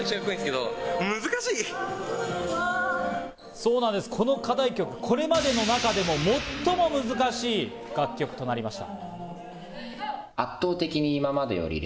そうなんです、この課題曲、これまでの中でも最も難しい楽曲となりました。